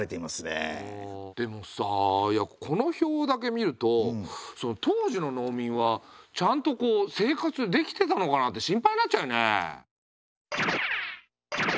でもさこの表だけ見ると当時の農民はちゃんと生活できてたのかなって心配になっちゃうね。